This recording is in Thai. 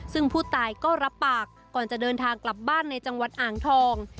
ซึ่งผู้ตายก็รับปากก่อนจะเดินทางกลับบ้านในจังหวัดอ่างทอง